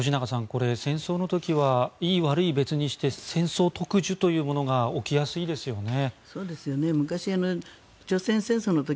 これ、戦争の時はいい悪いは別にして戦争特需というものが起きやすいですよね。